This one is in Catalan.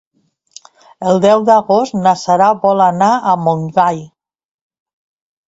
El deu d'agost na Sara vol anar a Montgai.